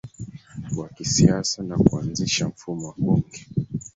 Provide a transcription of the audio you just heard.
wa kisiasa na kuanzisha mfumo wa bunge